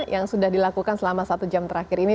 yang sudah dilakukan selama satu jam terakhir ini